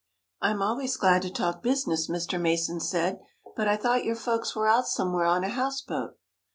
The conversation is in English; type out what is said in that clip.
"I'm always glad to talk business," Mr. Mason said, "but I thought your folks were out somewhere on a houseboat."